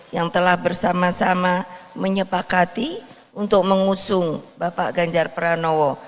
yang telah bersama sama menyepakati untuk mengusung bapak ganjar pranowo